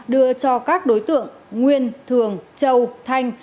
đưa cho các đối tượng nguyên thường châu thanh